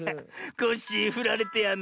コッシーふられてやんの。